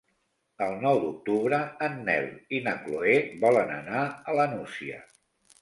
El nou d'octubre en Nel i na Chloé volen anar a la Nucia.